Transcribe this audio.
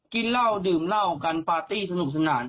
กินเหล้าดื่มเหล้ากันปาร์ตี้สนุกสนาน